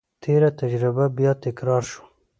تېره تجربه بیا تکرار شوه.